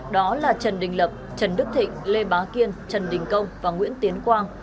đó là trần đình lập trần đức thịnh lê bá kiên trần đình công và nguyễn tiến quang